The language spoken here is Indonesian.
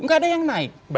tidak ada yang naik